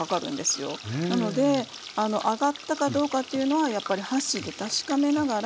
なので揚がったかどうかっていうのはやっぱり箸で確かめながら。